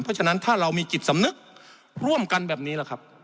เพราะฉะนั้นถ้าเรามีกฤทธิ์สำนึกร่วมกันแบบนี้